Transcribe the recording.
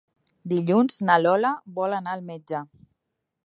Dilluns na Lola vol anar al metge.